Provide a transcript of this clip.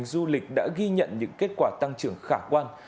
các doanh nghiệp đã ghi nhận những kết quả tăng trưởng khả quan